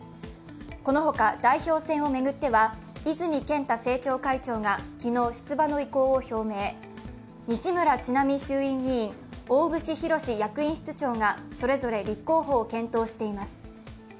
このほか代表選を巡っては泉健太政調会長が昨日出馬の意向を表明、西村智奈美衆院議員、大串博志役員室長がそれぞれ立候補を検討しています。